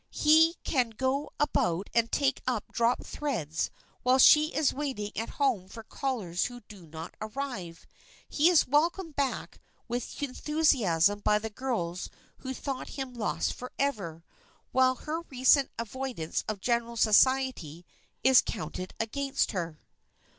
He can go about and take up dropped threads while she is waiting at home for callers who do not arrive. He is welcomed back with enthusiasm by the girls who thought him lost forever, while her recent avoidance of general society is counted against her.